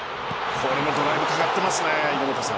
これもドライブかかっていますね稲本さん。